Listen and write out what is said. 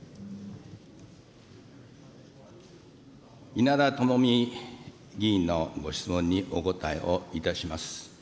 稲田朋美議員のご質問にお答えをいたします。